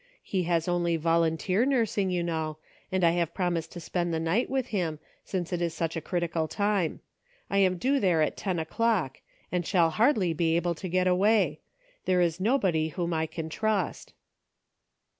He has only volunteer nursing, you know, and I have promised to spend the night with him, since it is such a critical time. I am due there at ten o'clock. CIRCLES WITHIN CIRCLES. 3II and shall hardly be able to get away ; there is nobody whom I can trust."